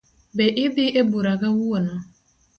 Be idhi ebura kawuono?